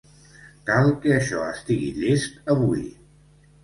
Cal que això estigui llest avui.